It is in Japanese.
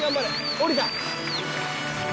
降りた。